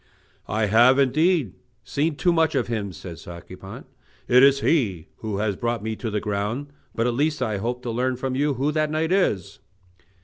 "I have, indeed, seen too much of him," said Sacripant, "it is he who has brought me to the ground; but at least I hope to learn from you who that knight is."